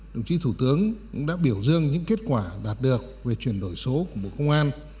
đồng chí thủ tướng cũng đã biểu dương những kết quả đạt được về chuyển đổi số của bộ công an